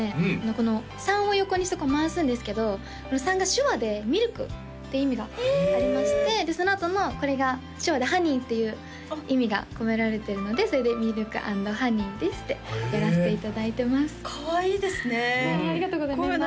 この３を横にして回すんですけど３が手話で「ミルク」って意味がありましてでそのあとのこれが手話で「ハニー」っていう意味が込められているのでそれで「ｍｉｌｋ＆ｈｏｎｅｙです」でやらせていただいてますかわいいですねありがとうございます